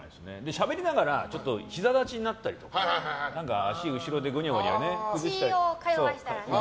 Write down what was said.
しゃべりながらひざ立ちになったりとか足を後ろで崩したり。